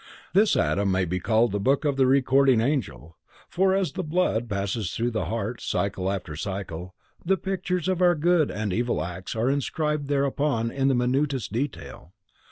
This atom may be called the book of the Recording Angel, for as the blood passes through the heart, cycle after cycle, the pictures of our good and evil acts are inscribed thereon to the minutest detail.